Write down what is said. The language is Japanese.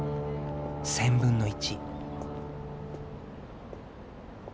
１０００分の１。